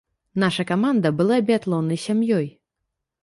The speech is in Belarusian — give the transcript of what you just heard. Наша каманда была біятлоннай сям'ёй!!!